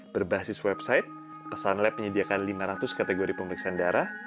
berbasis website pesan lab menyediakan lima ratus kategori pemeriksaan darah